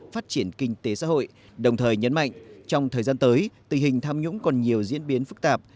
phát triển kinh tế xã hội đồng thời nhấn mạnh trong thời gian tới tình hình tham nhũng còn nhiều diễn biến phức tạp